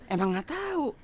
emang gak tau